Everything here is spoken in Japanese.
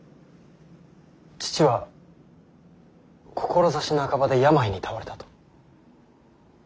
父は志半ばで病に倒れたと。